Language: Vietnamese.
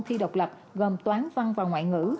thi độc lập gồm toán văn và ngoại ngữ